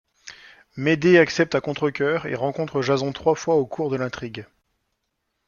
Médée accepte à contre cœur et rencontre Jason trois fois au cours de l'intrigue.